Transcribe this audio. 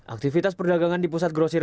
aktivitas perdagangan di pusat grosir